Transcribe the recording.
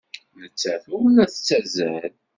Nettat ur la tettazzal.